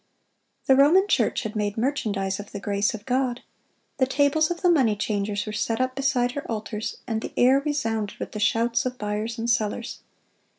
The Roman Church had made merchandise of the grace of God. The tables of the money changers(168) were set up beside her altars, and the air resounded with the shouts of buyers and sellers.